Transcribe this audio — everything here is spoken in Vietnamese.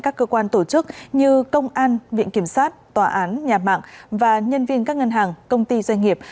các cơ quan tổ chức như công an viện kiểm sát tòa án nhà mạng và nhân viên các ngân hàng công ty doanh nghiệp